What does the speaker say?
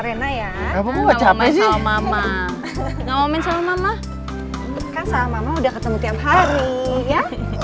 rena ya apa apa capek sama mama sama mama udah ketemu tiap hari ya